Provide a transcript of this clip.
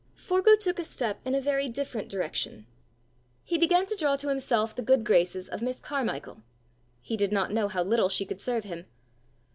Forgue took a step in a very different direction: he began to draw to himself the good graces of Miss Carmichael: he did not know how little she could serve him.